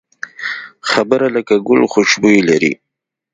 خبره لکه ګل خوشبويي لري